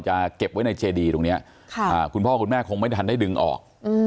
เก็บไว้ในเจดีตรงนี้คุณพ่อคุณแม่คงไม่ทันได้ดึงออก